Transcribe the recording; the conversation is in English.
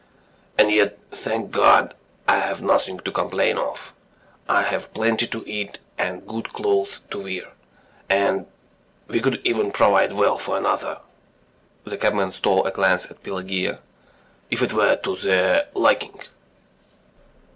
And yet, thank God, I have nothing to complain of. I have plenty to eat and good clothes to wear, and ... we could even provide well for another. .." (the cabman stole a glance at Pelageya) "if it were to their liking.